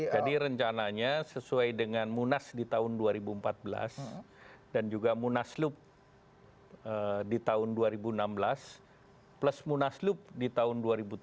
jadi rencananya sesuai dengan munas di tahun dua ribu empat belas dan juga munas loop di tahun dua ribu enam belas plus munas loop di tahun dua ribu tujuh belas